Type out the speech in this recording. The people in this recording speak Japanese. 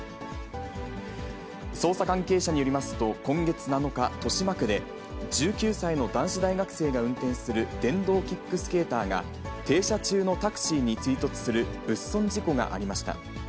捜査関係者によりますと、今月７日、豊島区で、１９歳の男子大学生が運転する電動キックスケーターが、停車中のタクシーに追突する物損事故がありました。